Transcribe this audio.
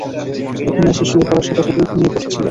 এখানে এসে শুয়ে পরার সাথে সাথেই ঘুমিয়ে পরেছিলেন!